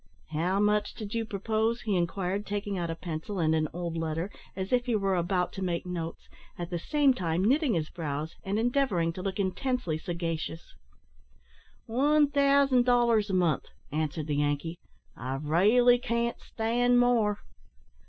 "How much did you propose?" he inquired, taking out a pencil and an old letter, as if he were about to make notes, at the same time knitting his brows, and endeavouring to look intensely sagacious. "One thousand dollars a month," answered the Yankee; "I railly can't stand more."